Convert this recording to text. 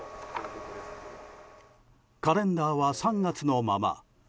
カレンダーは３月のまま。